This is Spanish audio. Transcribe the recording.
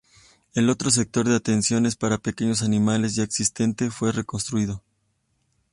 El otro sector de atención es para pequeños animales ya existente, fue reconstruido.